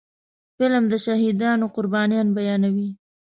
فلم د شهیدانو قربانيان بیانوي